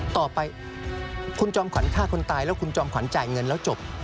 ต่อไปคุณจอมขวัญฆ่าคนตายแล้วคุณจอมขวัญจ่ายเงินแล้วจบ